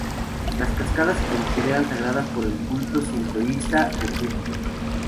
Las cascadas se consideran sagradas por el culto sintoísta de Fuji.